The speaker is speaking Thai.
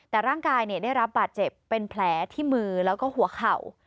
แต่ร่างกายได้รับบาดเจ็บเป็นแผลที่มือแล้วก็หัวเข่า